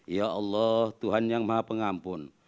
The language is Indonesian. ya allah tuhan yang maha pengampun